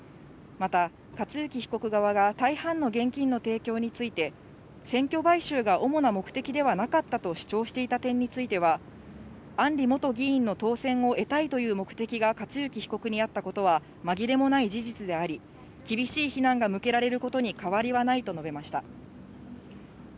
また、克行被告側が大半の現金の提供について、選挙買収が主な目的ではなかったと主張していた点については、案里元議員の当選を得たいという目的が克行被告にあったことは、まぎれもない事実であり、厳しい非難が向けられることに変わりはないと述べました。